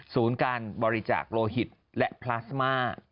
การบริจาคโลหิตและพลาสมา